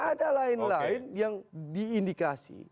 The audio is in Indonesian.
ada lain lain yang diindikasi